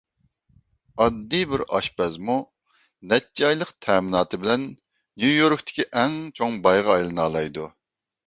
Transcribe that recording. ئاددىي بىر ئاشپەزمۇ نەچچە ئايلىق تەمىناتى بىلەن نيۇ-يوركتىكى ئەڭ چوڭ بايغا ئايلىنالايدۇ.